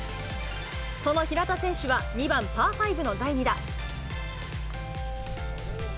その平田選手は２番パー５の第２打。